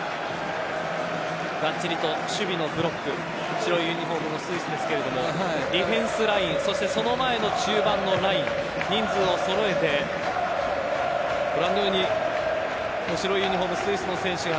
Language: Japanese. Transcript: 白いユニホームのスイスですがディフェンスラインそして、その前の中盤のライン人数をそろえてご覧のように白いユニホームスイスの選手が